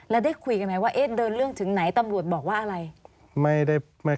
แล้วได้คุยกันไหมว่าเดินเรื่องถึงไหนตำรวจบอกว่าอะไร